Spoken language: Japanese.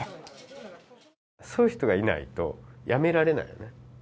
そういう人がいないとやめられないよね。